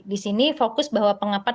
di sini fokus bahwa pengapatan dan interaksi